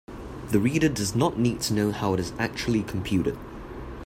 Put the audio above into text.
The reader does not need to know how it is actually computed.